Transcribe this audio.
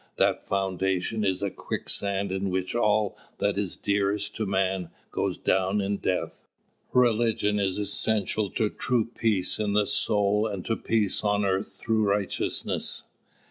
That foundation is a quicksand in which all that is dearest to man goes down in death. Religion is essential to true peace in the soul and to peace on earth through righteousness.